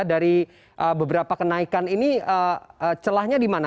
dari beberapa kenaikan ini celahnya di mana